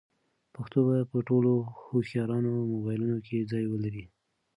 پښتو به په ټولو هوښیارانو موبایلونو کې ځای ولري.